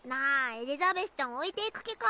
エリザベスちゃんを置いていく気か？